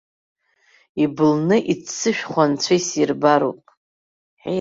Ибылны иццышәхо анцәа исирбароуп.